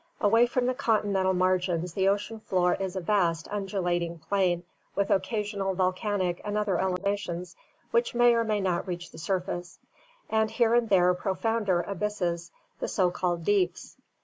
Away from the con tinental margins the ocean floor is a vast undulating plain with occasional volcanic and other elevations which may or may not reach the surface, and here and there profounder abysses — the so called deeps.